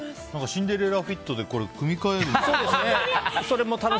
シンデレラフィットでこれ、組み替える。